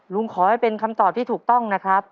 ขอให้เป็นคำตอบที่ถูกต้องนะครับ